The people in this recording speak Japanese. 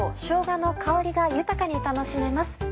しょうがの香りが豊かに楽しめます。